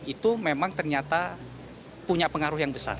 itu memang ternyata punya pengaruh yang besar